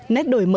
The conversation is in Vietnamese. nét đổi mối